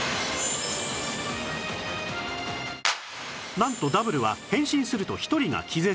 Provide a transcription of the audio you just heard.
なんと Ｗ は変身すると１人が気絶